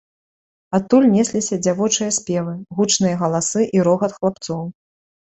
Адтуль несліся дзявочыя спевы, гучныя галасы і рогат хлапцоў.